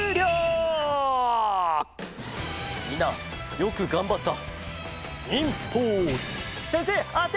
みんなよくがんばった！